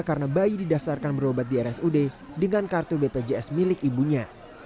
karena bayi didaftarkan berobat di rsud dengan kartu bpjs milik ibunya